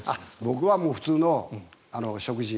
僕は普通の食事。